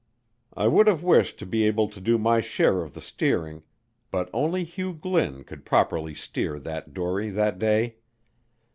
I would have wished to be able to do my share of the steering, but only Hugh Glynn could properly steer that dory that day.